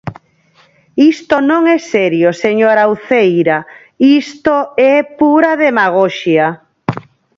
Isto non é serio, señora Uceira, isto é pura demagoxia.